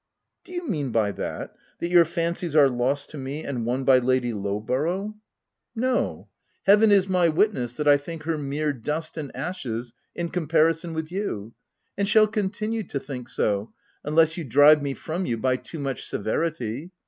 " H Do you mean by that, that your fancies are lost to me, and won by Lady Lowborough ?" OF WILDFELL HALL. 143 " No ; Heaven is my witness that I think her mere dust and ashes in comparison with you, — and shall continue to think so, unless you drive me from you by too much severity.